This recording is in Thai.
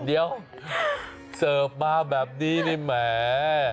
เสิร์ฟมาแบบนี้นี่แม่